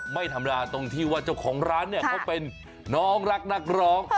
ไม่ธรรมดาตรงที่ว่าเจ้าของร้านเนี่ยเขาเป็นน้องรักนักร้อง